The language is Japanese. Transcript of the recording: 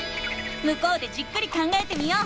向こうでじっくり考えてみよう。